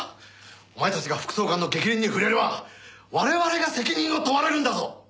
お前たちが副総監の逆鱗に触れれば我々が責任を問われるんだぞ！